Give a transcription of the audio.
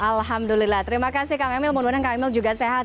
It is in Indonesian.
alhamdulillah terima kasih kang emil mudah mudahan kang emil juga sehat